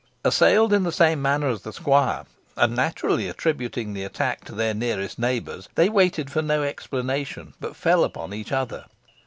Assailed in the same manner as the squire, and naturally attributing the attack to their nearest neighbours, they waited for no explanation, but fell upon each other.